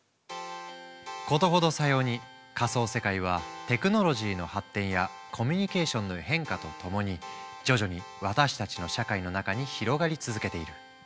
事ほどさように仮想世界はテクノロジーの発展やコミュニケーションの変化とともに徐々に私たちの社会の中に広がり続けている。